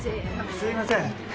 すいません。